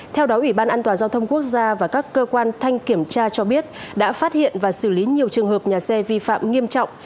theo đó ủy ban an toàn giao thông quốc gia và các cơ quan thanh kiểm tra cho biết đã phát hiện và xử lý nhiều trường hợp nhà xe vi phạm nghiêm trọng